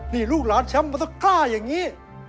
นี่ลูกหลานแชมป์มันต้องกล้าอย่างนี้